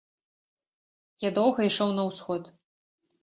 Я доўга ішоў на ўсход.